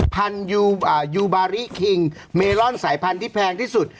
พันธุ์ยูอ่ายูบาริคิงเมลอนสายพันธุ์ที่แพงที่สุด